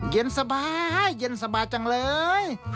เย็นสบายเย็นสบายจังเลย